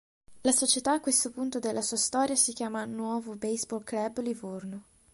La società a questo punto della sua storia si chiama "Nuovo Baseball Club Livorno".